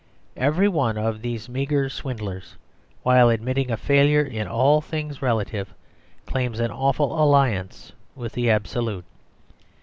Every one of these meagre swindlers, while admitting a failure in all things relative, claims an awful alliance with the Absolute.